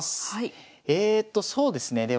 えとそうですね